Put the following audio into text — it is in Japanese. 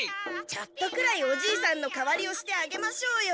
ちょっとくらいおじいさんの代わりをしてあげましょうよ。